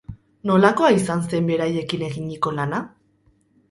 Nolakoa izan zen beraiekin eginiko lana?